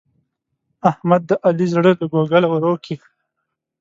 احمد د علي زړه له کوګله ور وکېښ.